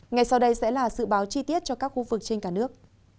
ngày sau đây sẽ là sự báo chi tiết cho các khu vực trên cả nước